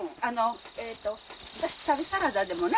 私『旅サラダ』でもな。